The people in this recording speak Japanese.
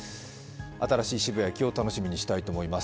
新しい渋谷駅を楽しみにしたいと思います。